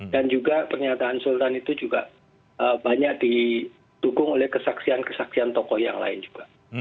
dan juga pernyataan sultan itu juga banyak ditukung oleh kesaksian kesaksian tokoh yang lain juga